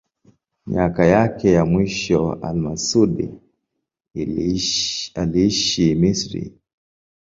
Miaka yake ya mwisho al-Masudi aliishi Misri.